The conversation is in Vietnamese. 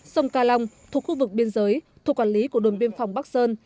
sông ca long thuộc khu vực biên giới thuộc quản lý của đồn biên phòng bắc sơn